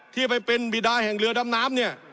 ที่ไปเป็นบิดาแห่งเรือดำน้ำเนี่ย